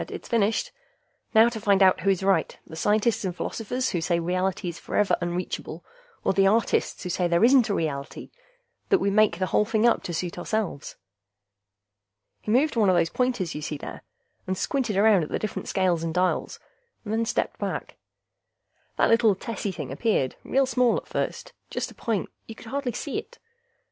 "It's finished. Now to find out who is right, the scientists and philosophers who say reality is forever unreachable, or the artists who say there isn't any reality that we make the whole thing up to suit ourselves." He moved one of those pointers you see there, and squinted around at the different scales and dials, and then stepped back. That little tessy thing appeared, real small at first. Just a point; you could hardly see it.